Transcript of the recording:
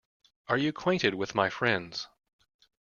Are you acquainted with my friends?